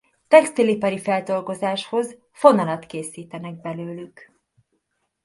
Textilipari feldolgozáshoz fonalat készítenek belőlük.